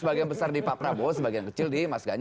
sebagian besar di pak prabowo sebagian kecil di mas ganjar